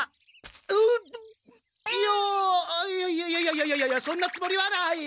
うういやいやいやいやいやそんなつもりはない！